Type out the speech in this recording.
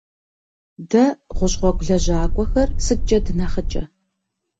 Дэ, гъущӏ гъуэгу лэжьакӏуэхэр, сыткӏэ дынэхъыкӏэ?